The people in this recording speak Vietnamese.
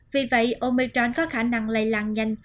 vì vậy omicron có khả năng lây lan nhanh